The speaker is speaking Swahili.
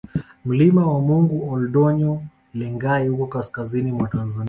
Mlima wa Mungu Ol Doinyo Lengai uko kaskazini mwa Tanzania